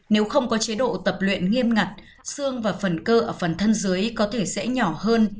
nếu không có chế độ tập luyện nghiêm ngặt xương và phần cơ ở phần thân dưới có thể sẽ nhỏ hơn